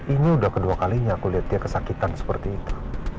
ini udah kedua kalinya aku lihat dia kesakitan seperti itu